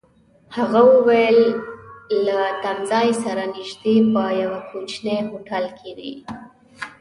هغه وویل: له تمځای سره نژدې، په یوه کوچني هوټل کي دي.